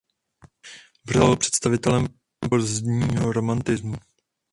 Byl představitelem pozdního romantismu.